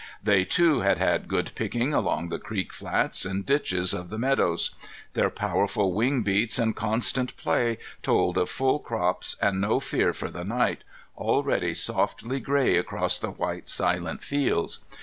They, too, had had good picking along the creek flats and ditches of the meadows. Their powerful wing beats and constant play told of full crops and no fear for the night, already softly gray across the white silent fields.